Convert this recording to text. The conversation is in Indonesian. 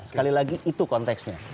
sekali lagi itu konteksnya